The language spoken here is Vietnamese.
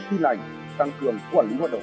tin lạnh tăng cường quản lý hoạt động